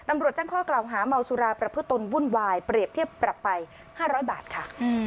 ตำรวจแจ้งข้อกล่าวหาเมาสุราประพฤตนวุ่นวายเปรียบเทียบปรับไป๕๐๐บาทค่ะ